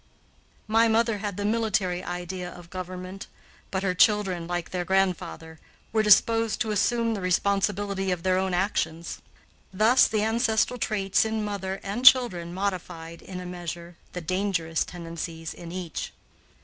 My mother had the military idea of government, but her children, like their grandfather, were disposed to assume the responsibility of their own actions; thus the ancestral traits in mother and children modified, in a measure, the dangerous tendencies in each.